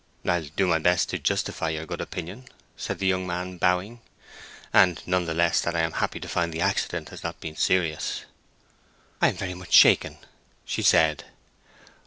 "I'll do my best to justify your good opinion," said the young man, bowing. "And none the less that I am happy to find the accident has not been serious." "I am very much shaken," she said.